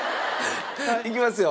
いきますよ。